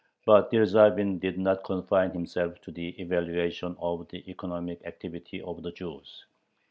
But Dyerzhavin did not confine himself to the evaluation of the economic activity of the Jews.